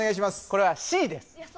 これはＣです！